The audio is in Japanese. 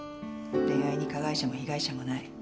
恋愛に加害者も被害者もない。